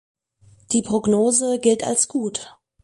Die Prognose gilt als gut.